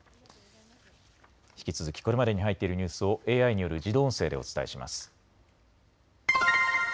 引き続きこれまでに入っているニュースをＡＩによる自動音声でお伝えします。